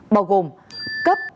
bao gồm cấp